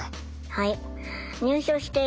はい。